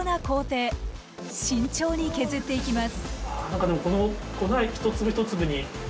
慎重に削っていきます。